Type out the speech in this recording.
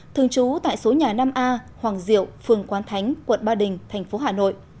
thường trú tại số nhà năm a hoàng diệu phường quán thánh quận ba đình thành phố hà nội